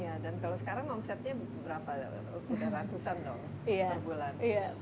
iya dan kalau sekarang omsetnya berapa ratusan dong per bulan